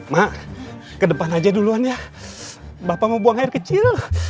mak ke depan aja duluan ya bapak mau buang air kecil